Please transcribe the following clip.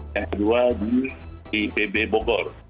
yang kedua di ipb bogor